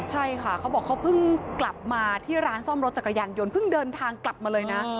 ใช่ค่ะเขาบอกเขาเพิ่งกลับมาที่ร้านซ่อมรถจักรยานยนต์เพิ่งเดินทางกลับมาเลยนะ